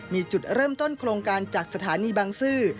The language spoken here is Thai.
มีจุดเริ่มต้นโครงการจากสถานีบางซื่อ